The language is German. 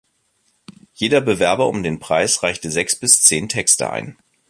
Jeder Bewerber um den Preis reicht sechs bis zehn Texte ein.